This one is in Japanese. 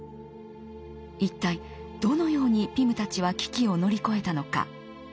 一体どのようにピムたちは危機を乗り越えたのか。